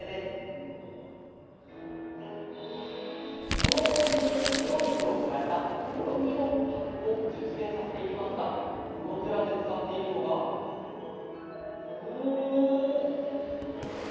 このこうじに塩水を加えたもろみを発酵・熟成させていきますがこの蔵で使っているのがお！